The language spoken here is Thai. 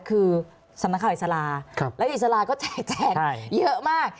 คือสำนักข่าวอิสลาและอิสลาก็แจกเยอะมาก